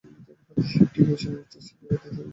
ঠিক এই সময় ইতস্তত ভঙ্গিতে দিনু এসে ঢুকল।